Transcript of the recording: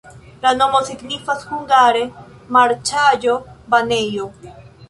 La nomo signifas hungare: marĉaĵo-banejo.